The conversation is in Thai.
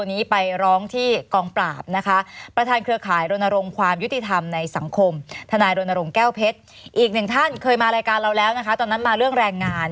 อีกหนึ่งท่านเคยมารายการเราแล้วนะคะตอนนั้นมาเรื่องแรงงาน